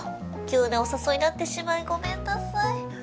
急なお誘いになってしまいごめんなさい